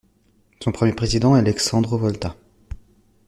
Son premier président est Alessandro Volta.